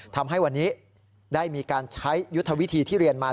ทำให้วันนี้ได้มีการใช้ยุทธวิธีที่เรียนมา